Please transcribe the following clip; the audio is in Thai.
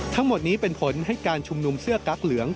ทั้งหมดนี้เป็นผลให้การชุมนุมเสื้อกั๊กเหลือง